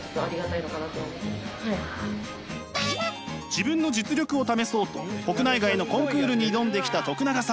自分の実力を試そうと国内外のコンクールに挑んできた永さんあっぱれです！